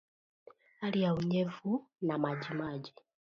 Hali ya unyevu na majimaji